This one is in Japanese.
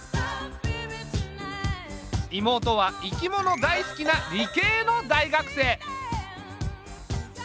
妹は生き物大好きな理系の大学生。